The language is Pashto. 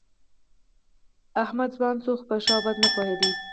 احمد ځوان شو، خو په ښه او بد نه پوهېده.